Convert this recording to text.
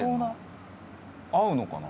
合うのかな？